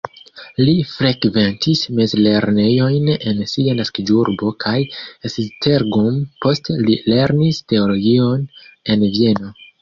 Li frekventis mezlernejojn en sia naskiĝurbo kaj Esztergom, poste li lernis teologion en Vieno.